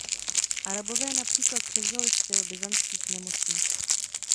Arabové například převzali styl byzantských nemocnic.